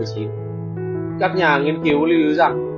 các nhà nghiên cứu lưu ý rằng